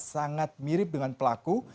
sangat mirip dengan pelaku